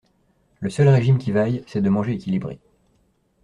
Le seul régime qui vaille, c'est de manger équilibré.